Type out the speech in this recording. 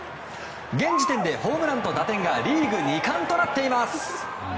現時点でホームランと打点がリーグ２冠となっています。